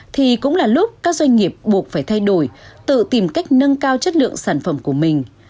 thì cũng là lúc các doanh nghiệp buộc phải thay đổi tự tìm cách nâng cao chất lượng sản phẩm của mình